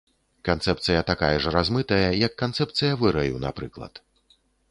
Канцэпцыя такая ж размытая, як канцэпцыя выраю, напрыклад.